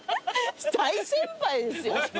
大先輩ですよ。